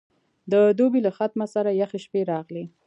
د دوبي له ختمه سره یخې شپې راغلې.